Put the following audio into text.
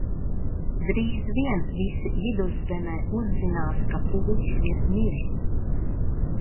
Drīz vien visi Viduszemē uzzinās, ka pūķis ir miris!